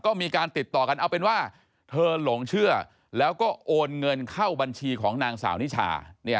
ก็มีการติดต่อกันเอาเป็นว่าเธอหลงเชื่อแล้วก็โอนเงินเข้าบัญชีของนางสาวนิชา